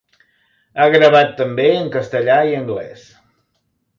Ha gravat també en castellà i anglès.